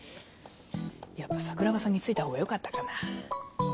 やっぱ桜庭さんについたほうがよかったかな